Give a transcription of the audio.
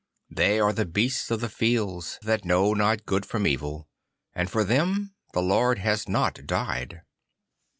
They are as the beasts of the field that know not good from evil, and for them the Lord has not died.